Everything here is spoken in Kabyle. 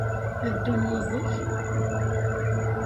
Ad d-ddun yid-k?